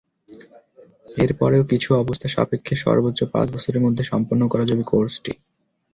এরপরেও কিছু অবস্থা সাপেক্ষে সর্বোচ্চ পাঁচ বছরের মধ্যে সম্পন্ন করা যাবে কোর্সটি।